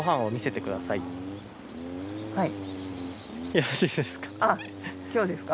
よろしいですか？